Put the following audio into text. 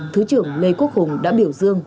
thứ trưởng lê quốc hùng đã biểu dương